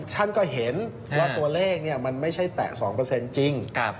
ท่านก็เห็นว่าตัวเลขมันไม่ใช่แตะ๒จริง